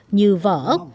như vỏ ốc